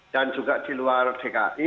dan juga di luar dki